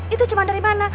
itu cuma dari mana